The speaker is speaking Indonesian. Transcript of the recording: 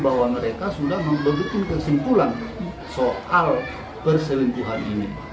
bahwa mereka sudah membuat kesimpulan soal perselingkuhan ini